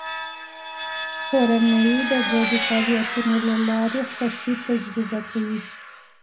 کورنۍ د ګډو فعالیتونو له لارې خوښي تجربه کوي